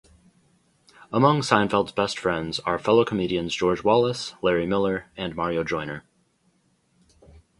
Among Seinfeld's best friends are fellow comedians George Wallace, Larry Miller, and Mario Joyner.